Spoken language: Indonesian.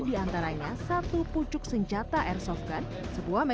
berapa kali mas mudul cuma satu kali satu kali